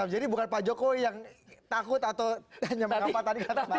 jadi bukan pak jokowi yang takut atau nyameng apa tadi katam apa